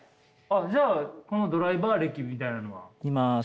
じゃあこのドライバー歴みたいなのは？